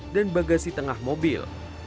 dan bagasi tengah mobil